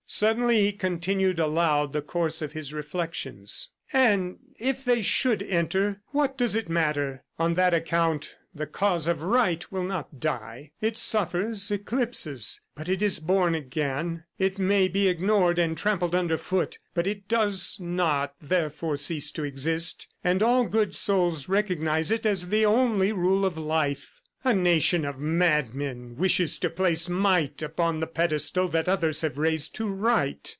Suddenly he continued aloud the course of his reflections. "And if they should enter, what does it matter? ... On that account, the cause of Right will not die. It suffers eclipses, but is born again; it may be ignored and trampled under foot, but it does not, therefore, cease to exist, and all good souls recognize it as the only rule of life. A nation of madmen wishes to place might upon the pedestal that others have raised to Right.